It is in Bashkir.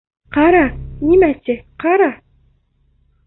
Ҡара, нимә ти, ҡара!